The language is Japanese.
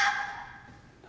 何？